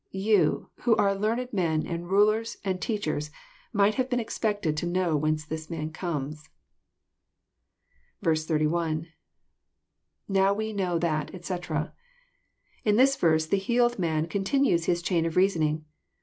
" You, who are learned men, and rulers, and teachers, might have been expected to know whence this man comes." 81. — [^Now we know that, etc.'] In this verse the healed man con tinues his chain of reasoning.